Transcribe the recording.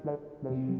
buat apa infotainment